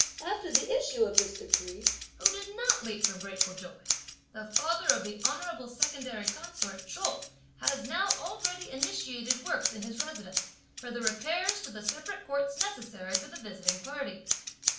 After the issue of this decree, who did not leap from grateful joy! The father of the honourable secondary consort Chou has now already initiated works, in his residence, for the repairs to the separate courts necessary for the visiting party.